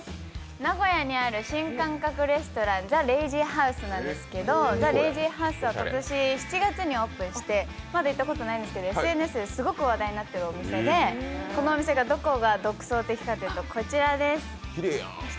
名古屋にある新感覚レストランｔｈｅＬＡＺＹＨＯＵＳＥなんですけど、ｔｈｅＬＡＺＹＨＯＵＳＥは今年７月にオープンしてまだ行ったことないんですけどＳＮＳですごく話題になってるお店でこのお店のどこが独創的かというとこちらです